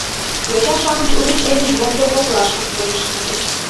Йоча-шамыч угыч эҥыжвондо коклашке пурен шинчыч.